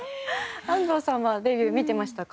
安藤さんはデビュー見てましたか？